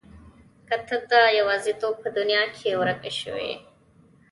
که ته د يوازيتوب په دنيا کې ورکه شوې يې.